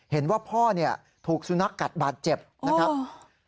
เห็นว่าพ่อเนี่ยถูกสุนัขกัดบาดเจ็บนะครับ